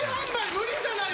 無理じゃない！？